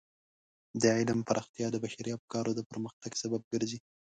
د علم پراختیا د بشري افکارو د پرمختګ سبب ګرځي.